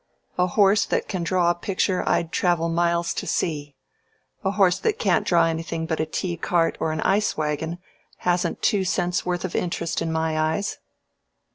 A horse that can draw a picture I'd travel miles to see. A horse that can't draw anything but a T cart or an ice wagon hasn't two cents' worth of interest in my eyes."